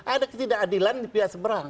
ada ketidak adilan di pihak seberang